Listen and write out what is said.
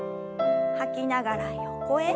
吐きながら横へ。